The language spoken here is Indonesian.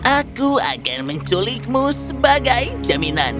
aku akan menculikmu sebagai jaminan